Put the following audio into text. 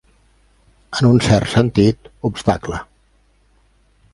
En un cert sentit, obstacle.